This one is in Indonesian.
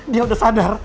dia udah sadar